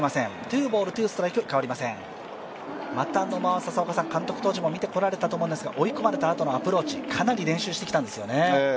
野間は監督当時も見てこられたと思いますが、追い込まれたあとのアプローチかなり練習してきたんですよね。